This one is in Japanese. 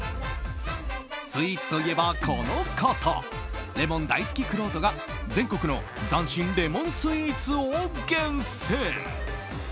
スイーツといえば、この方レモン大好きくろうとが全国の斬新レモンスイーツを厳選。